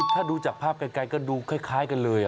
ถ้าดูจากภาพไกลก็ดูคล้ายกันเลย